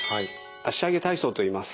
脚上げ体操といいます。